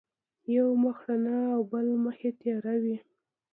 یو مخ رڼا او بل مخ یې تیار وي.